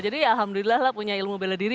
jadi alhamdulillah lah punya ilmu beladiri